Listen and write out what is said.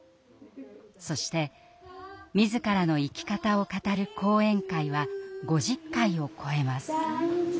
そして自らの生き方を語る講演会は５０回を超えます。